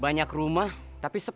banyak rumah tapi sepi